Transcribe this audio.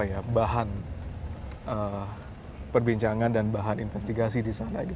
ya bahan perbincangan dan bahan investigasi di sana